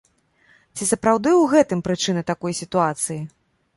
Ці сапраўды ў гэтым прычына такой сітуацыі?